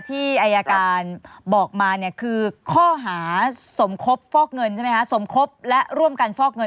ที่อายการบอกมาเนี่ยคือข้อหาสมคบฟอกเงินใช่ไหมคะสมคบและร่วมกันฟอกเงิน